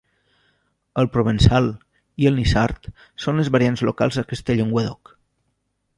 El provençal i el niçard són les variants locals d'aquesta llengua d'Oc.